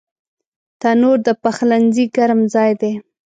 تنور د پخلنځي ګرم ځای دی